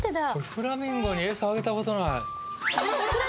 フラミンゴにエサあげたことない。